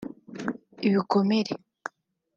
ibikomere